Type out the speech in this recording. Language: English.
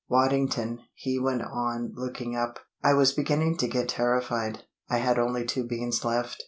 Waddington," he went on, looking up, "I was beginning to get terrified. I had only two beans left.